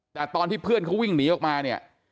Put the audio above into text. แต่ตอนที่เพื่อนเขาวิ่งหนีออกมาเนี่ย